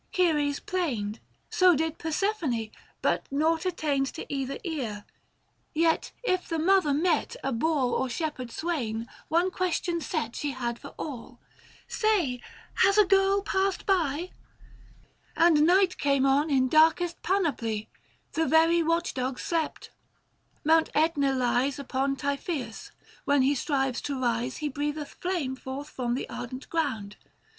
Ceres plained, So did Persephone, but nought attained To either ear ; yet if the mother met A boor or shepherd swain, one question set She had for all, " Say, has a girl passed by ?" 545 And night came on in darkest panoply. The very watch dogs slept. Mount iEtna lies Upon Typhoeus : when he strives to rise He breath eth flame forth from the ardent ground.